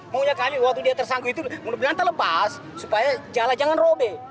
mau nyatakan waktu dia tersangkut itu menurut belanda lepas supaya jalan jangan robe